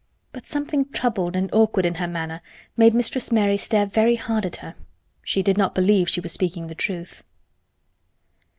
But something troubled and awkward in her manner made Mistress Mary stare very hard at her. She did not believe she was speaking the truth.